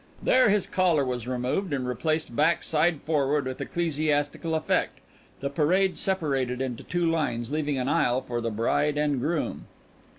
There his collar was removed and replaced back side forward with ecclesiastical effect. The parade separated into two lines, leaving an aisle for the bride and groom.